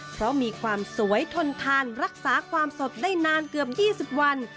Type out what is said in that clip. เพราะมีความสวยทนทานรักษาความสดได้นานเกือบ๒๐วัน